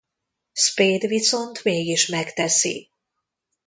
Spade viszont mégis megteszi.